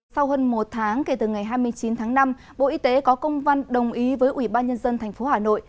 sau hơn một tháng kể từ ngày hai mươi chín tháng năm bộ y tế có công văn đồng ý với ủy ban nhân dân tp hà nội